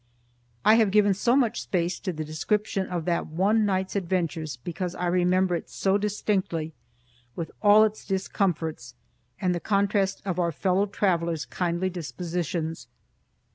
I have given so much space to the description of that one night's adventures because I remember it so distinctly, with all its discomforts, and the contrast of our fellow travellers' kindly dispositions.